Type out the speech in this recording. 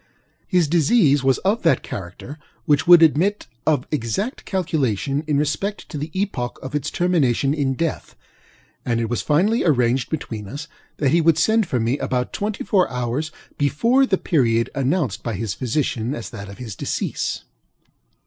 His disease was of that character which would admit of exact calculation in respect to the epoch of its termination in death; and it was finally arranged between us that he would send for me about twenty four hours before the period announced by his physicians as that of his decease.